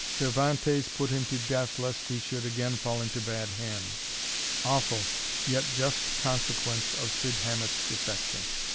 Cervantes put him to death, lest he should again fall into bad hands. Awful, yet just consequence of Cid Hamet's defection!